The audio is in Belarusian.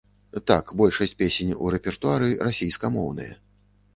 Так, большасць песень у рэпертуары расійскамоўныя.